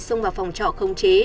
xông vào phòng trọ không chế